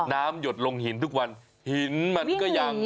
หยดลงหินทุกวันหินมันก็ยัง